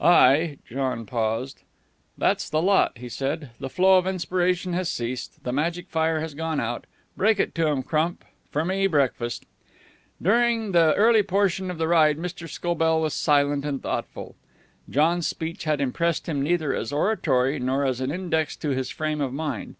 "I " John paused. "That's the lot," he said. "The flow of inspiration has ceased. The magic fire has gone out. Break it to 'em, Crump. For me, breakfast." During the early portion of the ride Mr. Scobell was silent and thoughtful. John's speech had impressed him neither as oratory nor as an index to his frame of mind.